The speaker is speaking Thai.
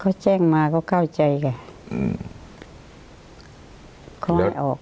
เขาแจ้งมาเข้าใจค่ะ